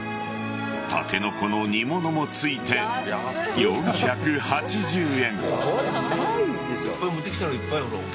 タケノコの煮物もついて４８０円。